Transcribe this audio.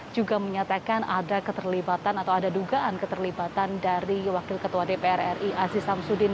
juga menyatakan ada keterlibatan atau ada dugaan keterlibatan dari wakil ketua dpr ri aziz samsudin